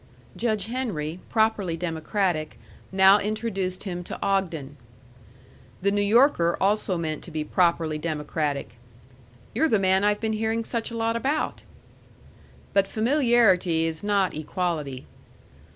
Judge Henry, properly democratic, now introduced him to Ogden. The New Yorker also meant to be properly democratic. "You're the man I've been hearing such a lot about." But familiarity is not equality.